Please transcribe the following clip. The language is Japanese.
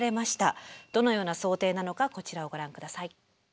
どのような想定なのかこちらをご覧下さい。